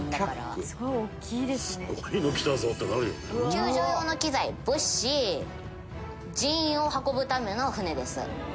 救助用の機材物資人員を運ぶための船です。